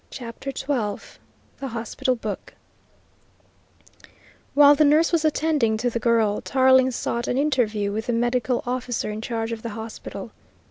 CHAPTER XII THE HOSPITAL BOOK While the nurse was attending to the girl Tarling sought an interview with the medical officer in charge of the hospital.